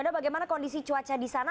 ada bagaimana kondisi cuaca di sana